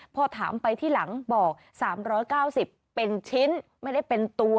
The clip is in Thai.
พอถามไปที่หลังบอก๓๙๐เป็นชิ้นไม่ได้เป็นตัว